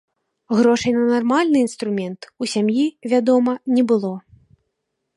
Грошай на нармальны інструмент у сям'і, вядома, не было.